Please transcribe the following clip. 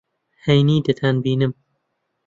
ھەینی دەتانبینم.